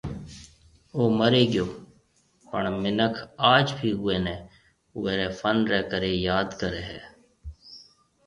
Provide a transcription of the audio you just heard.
او مري گيو پڻ منک آج بِي اوئي ني اوئي ري فن ري ڪري ياد ڪري ھيَََ